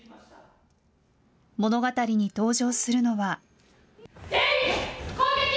物語に登場するのは。